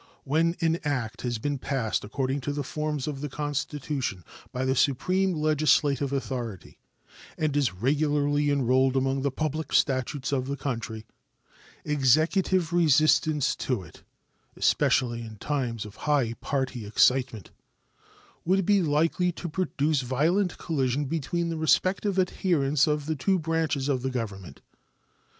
Where an act has been passed according to the forms of the Constitution by the supreme legislative authority, and is regularly enrolled among the public statutes of the country, Executive resistance to it, especially in times of high party excitement, would be likely to produce violent collision between the respective adherents of the two branches of the Government.